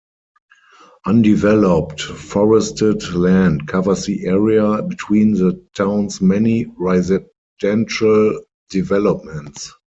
Undeveloped, forested land covers the area between the town's many residential developments.